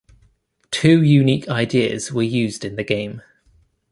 Two unique ideas were used in the game.